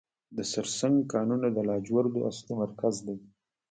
د سرسنګ کانونه د لاجوردو اصلي مرکز دی.